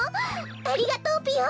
ありがとうぴよ！